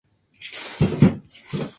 先到公车站就赶快上车